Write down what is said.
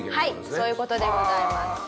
そういう事でございます。